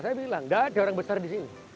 saya bilang nggak ada orang besar di sini